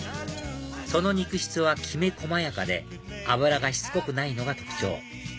その肉質はきめ細やかで脂がしつこくないのが特徴